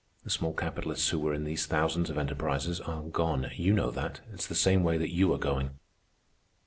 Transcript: The small capitalists who were in these thousands of enterprises are gone. You know that. It's the same way that you are going.